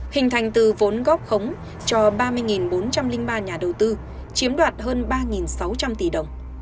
hình thành từ vốn góp khống cho ba mươi bốn trăm linh ba nhà đầu tư chiếm đoạt hơn ba sáu trăm linh tỷ đồng